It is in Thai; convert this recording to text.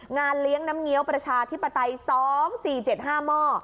งานเลี้ยงน้ำเงี้ยวประชาธิปไตย๒๔๗๕หม้อ